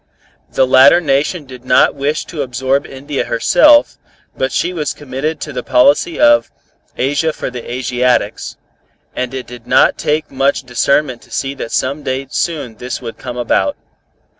The latter nation did not wish to absorb India herself, but she was committed to the policy of "Asia for the Asiatics," and it did not take much discernment to see that some day soon this would come about.